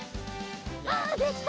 はあできた！